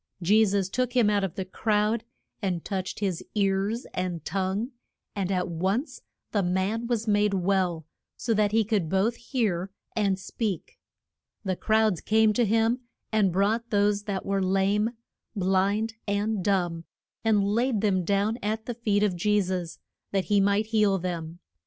Je sus took him out of the crowd, and touched his ears and tongue, and at once the man was made well, so that he could both hear and speak. And crowds came to him, and brought those that were lame, blind, and dumb, and laid them down at the feet of Je sus, that he might heal them.